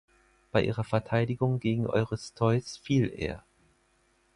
Bei ihrer Verteidigung gegen Eurystheus fiel er.